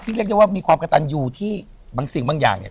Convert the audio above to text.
เรียกได้ว่ามีความกระตันอยู่ที่บางสิ่งบางอย่างเนี่ย